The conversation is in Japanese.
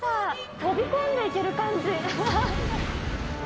飛び込んでいける感じ。